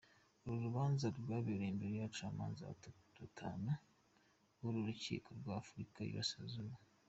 Uru rubanza rwabereye imbere y’abacamaza batanu b’uru rukiko rw’Afurika y’iburasirazuba.